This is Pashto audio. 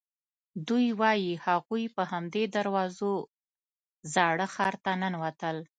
دوی وایي هغوی په همدې دروازو زاړه ښار ته ننوتل.